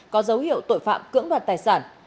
có dấu hiệu tội phạm cưỡng đoạt tài sản